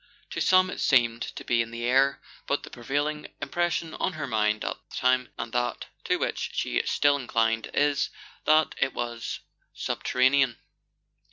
To some it seemed to be in the air, but the prevailing impres sion on her mind at the time, and that to which she is still inclined, is, that it was subterranean.